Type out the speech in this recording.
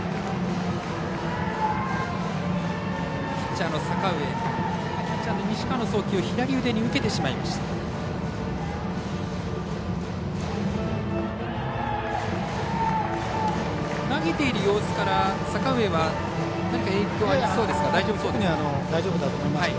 ピッチャーの阪上キャッチャー、西川の送球を左腕に受けてしまいました。